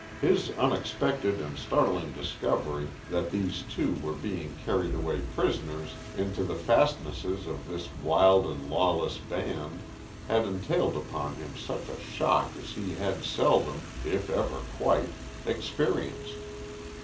His unexpected and startling discovery that these two were being carried away prisoners into the fastnesses of this wild and lawless band, had entailed upon him such a shock as he had seldom, if ever quite, experienced.